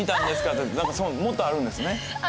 ってもっとあるんですね？